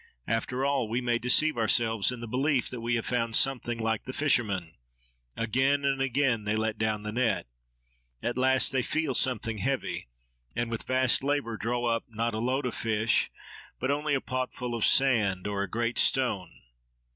After all, we may deceive ourselves in the belief that we have found something:—like the fishermen! Again and again they let down the net. At last they feel something heavy, and with vast labour draw up, not a load of fish, but only a pot full of sand, or a great stone.